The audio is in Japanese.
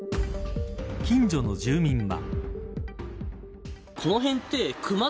近所の住民は。